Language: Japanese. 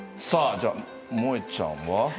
さあじゃあもえちゃんは？